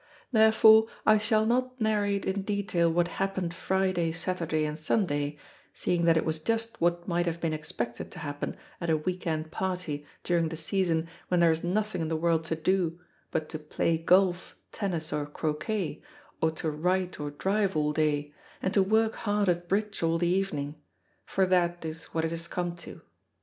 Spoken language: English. Therefore, I shall not narrate in detail what happened Friday, Saturday, and Sunday, seeing that it was just what might have been expected to happen at a week end party during the season when there is nothing in the world to do but to play golf, tennis, or croquet, or to write or drive all day, and to work hard at bridge all the evening; for that is what it has come to."